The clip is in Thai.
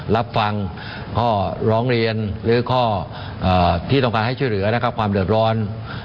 รับฟังข้อร้องเรียนหรือข้อที่ต้องการให้ช่วยเหลือนะครับความเดือดร้อน